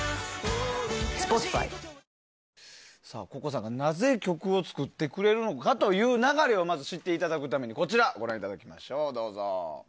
Ｃｏｃｃｏさんがなぜ曲を作ってくれるのかという流れをまず知っていただくためにこちら、ご覧いただきましょう。